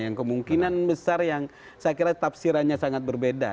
yang kemungkinan besar yang saya kira tafsirannya sangat berbeda